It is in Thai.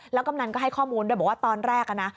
แล้วก็กำนันก็ให้ข้อมูลแล้วบอกว่าตอนแรกนะ